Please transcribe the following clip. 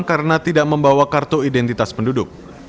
karena tidak membawa kartu identitas penduduk